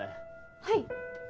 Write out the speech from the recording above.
はい！